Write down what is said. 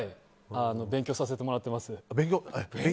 勉強させてもらっています。